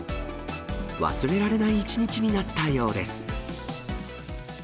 忘れられない一日になったようです。